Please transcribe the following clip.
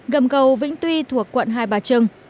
gầm cầu vĩnh tuy thuộc quận hai bà trưng